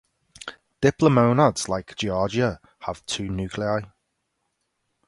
Diplomonads, like "Giardia", have two nuclei.